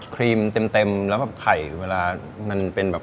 ครีมเต็มแล้วแบบไข่เวลามันเป็นแบบ